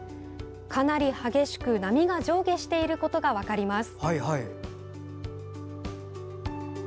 かなり激しく波が上下していることが分かります。